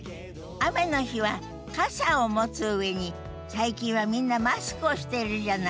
雨の日は傘を持つ上に最近はみんなマスクをしてるじゃない？